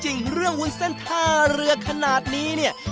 จริงเรื่องวุ้นเส้นท่าเรือขนาดนี้เนี่ย